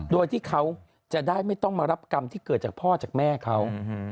โดยที่เขาจะได้ไม่ต้องมารับกรรมที่เกิดจากพ่อจากแม่เขา